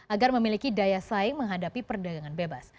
agar memiliki daya saing menghadapi perdagangan bebas